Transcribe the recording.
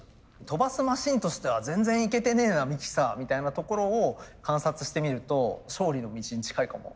飛ばすマシンとしては全然いけてねえなミキサーみたいなところを観察してみると勝利の道に近いかもしれない。